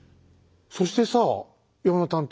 そしてさあ山田探偵